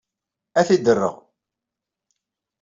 Ad t-id-rreɣ.